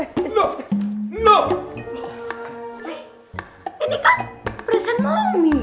ini kan perhiasan mommy